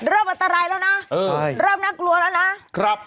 เริ่มอัตรายแล้วนะเริ่มนักกลัว